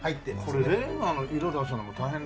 これレンガの色出すのも大変だな。